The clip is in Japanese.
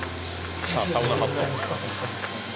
さあサウナハット